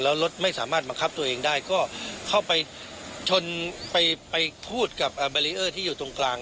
แล้วรถไม่สามารถบังคับตัวเองได้ก็เข้าไปชนไปพูดกับแบรีเออร์ที่อยู่ตรงกลาง